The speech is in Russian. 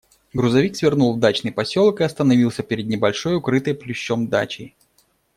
Грузовик свернул в дачный поселок и остановился перед небольшой, укрытой плющом дачей.